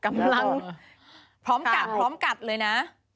กำลังพร้อมกัดเลยนะ